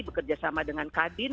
bekerjasama dengan kabin